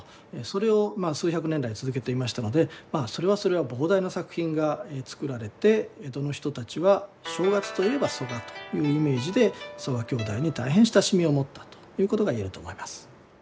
それを数百年来続けていましたのでそれはそれは膨大な作品が作られて江戸の人たちは「正月といえば曽我」というイメージで曽我兄弟に大変親しみを持ったということが言えると思います。